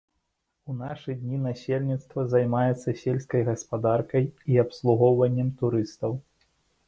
У нашы дні насельніцтва займаецца сельскай гаспадаркай і абслугоўваннем турыстаў.